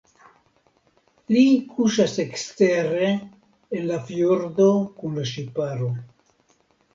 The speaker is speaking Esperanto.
Li kuŝas ekstere en la fjordo kun la ŝiparo.